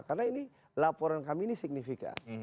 karena ini laporan kami ini signifikan